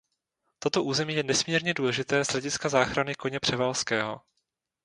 Toto území je nesmírně důležité z hlediska záchrany koně Převalského.